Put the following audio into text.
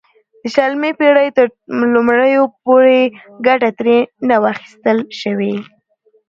د شلمې پېړۍ تر لومړیو پورې ګټه ترې نه وه اخیستل شوې.